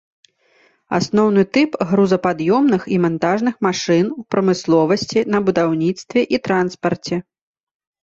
Асноўны тып грузапад'ёмных і мантажных машын у прамысловасці, на будаўніцтве і транспарце.